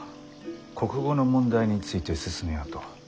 「国語の問題について進めよ」と。